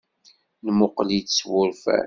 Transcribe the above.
Nemmuqqel-itt s wurfan.